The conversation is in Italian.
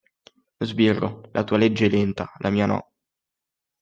Sbirro, la tua legge è lenta... la mia... no!